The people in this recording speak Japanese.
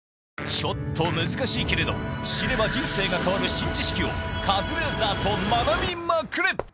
ちょっと難しいけれど知れば人生が変わる新知識をカズレーザーと学びまくれ！